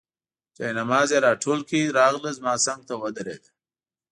جاینماز یې راټول کړ، راغله زما څنګ ته ودرېده.